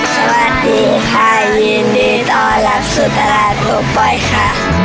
สวัสดีค่ะยินดีต้อนรับสุดตลาดโบป้อยค่ะ